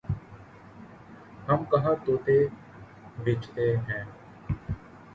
ہم کہاں طوطے بیچتے ہیں